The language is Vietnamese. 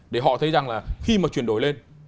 để họ thấy rằng là khi mà chuyển đổi lên